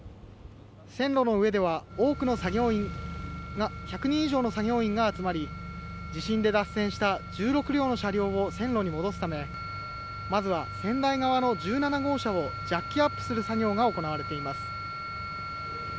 線路の上では多くの作業員が１００人以上の作業員が集まり地震で脱線した１６両の車両を線路に戻すためまずは仙台側の１７号車をジャッキアップする作業が行われています。